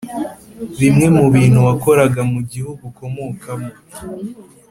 Bimwe mu bintu wakoraga mu gihugu ukomokamo